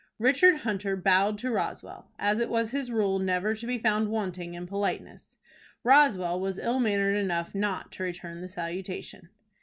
Richard Hunter bowed to Roswell, as it was his rule never to be found wanting in politeness. Roswell was ill mannered enough not to return the salutation.